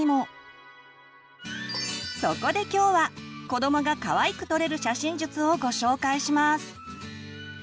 そこで今日は子どもがかわいく撮れる写真術をご紹介します！